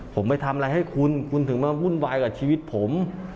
ผมไปทำอะไรให้คุณคุณถึงมาวุ่นวายกับชีวิตผม